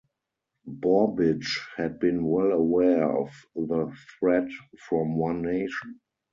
Borbidge had been well aware of the threat from One Nation.